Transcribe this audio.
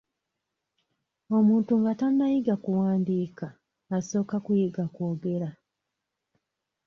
Omuntu nga tannayiga kuwandiika, asooka kuyiga kwogera.